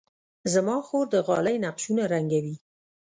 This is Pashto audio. زما خور د غالۍ نقشونه رنګوي.